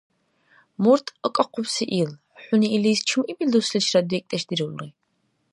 Мурт акӀахъубси ил? ХӀуни илис чумъибил дусличирад бекӀдеш дирулри?